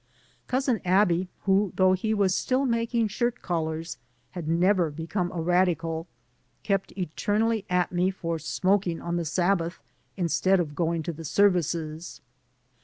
Cousin Aby, who, though he was still making shirt collars, had never become a radical, kept eternally at me for smoking on the Sabbath instead of going to the services.